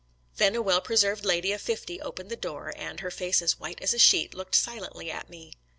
Then a well pre served lady of fifty opened the door, and, her face as white as a sheet, looked silently at me.